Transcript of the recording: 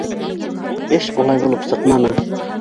Эш улай булып сыҡманы.